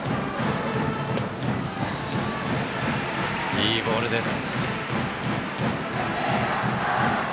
いいボールです。